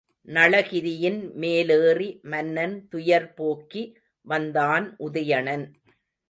நளகிரியின் மேலேறி மன்னன் துயர்போக்கி வந்தான் உதயணன்.